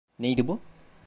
Neydi bu?